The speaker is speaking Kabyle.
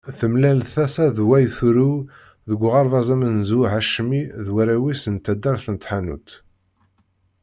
Temlal tasa d way turew deg uɣerbaz amenzu Hacmi d warraw-is n taddart n Tḥanut.